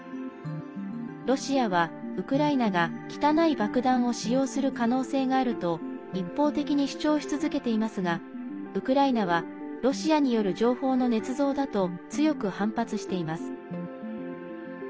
ロシアは、ウクライナが汚い爆弾を使用する可能性があると一方的に主張し続けていますがウクライナはロシアによる情報のねつ造だと強く反発しています。